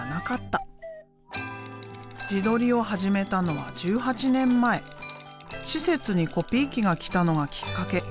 自撮りを始めたのは１８年前施設にコピー機が来たのがきっかけ。